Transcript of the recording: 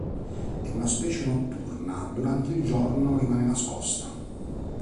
È una specie notturna, durante il giorno rimane nascosta.